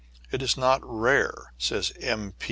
It is not rare, says M.